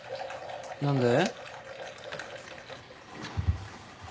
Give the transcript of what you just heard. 何で？